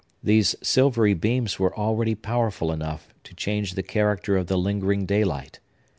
These silvery beams were already powerful enough to change the character of the lingering daylight.